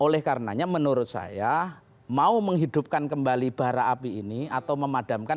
oleh karenanya menurut saya mau menghidupkan kembali bara api ini atau memadamkan